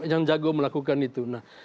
yang jago melakukan itu